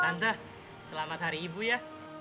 anda selamat hari ibu ya